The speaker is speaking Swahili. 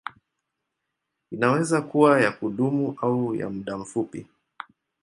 Inaweza kuwa ya kudumu au ya muda mfupi.